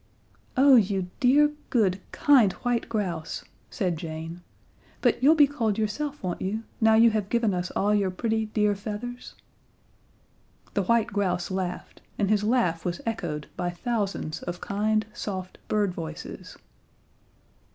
"Oh, you dear, good, kind white grouse," said Jane, "but you'll be cold yourself, won't you, now you have given us all your pretty dear feathers?" The white grouse laughed, and his laugh was echoed by thousands of kind, soft bird voices.